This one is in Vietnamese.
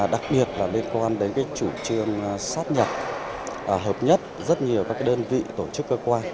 đặc biệt là liên quan đến chủ trương sát nhập hợp nhất rất nhiều các đơn vị tổ chức cơ quan